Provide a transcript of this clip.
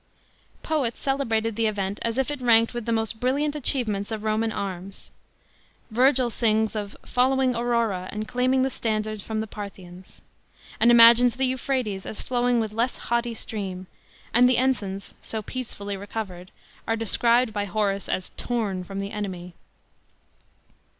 Poets celebrated the event as if it ranked with the most brilliant achievements of Roman arms. Virgil sings of "following Aurora, and claiming the standards from the Parthians," and imagines the Euphrates as flowing with less haughty stream *; and the ensigns so peacefully recovered are described by Horace as " torn from " the enemy.